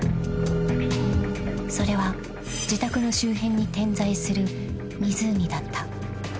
［それは自宅の周辺に点在する］